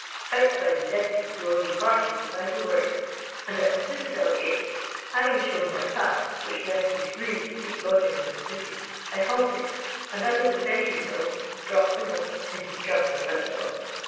Outside the Deputy's door we parted without a word, and at the Citadel gate, having shown my pass, which left me free to seek lodgings in the city, I halted, and, under the sentry's nose, dropped a note into the Governor's letter box.